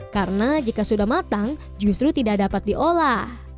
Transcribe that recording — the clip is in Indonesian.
karena jika sudah matang justru tidak dapat diolah